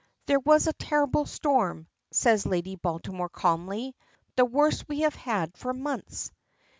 "There was a terrible storm," says. Lady Baltimore calmly; "the worst we have had for months."